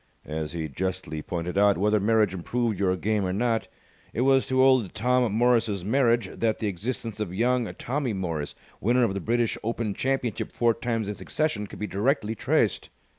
As he justly pointed out, whether marriage improved your game or not, it was to Old Tom Morris's marriage that the existence of young Tommy Morris, winner of the British Open Championship four times in succession, could be directly traced.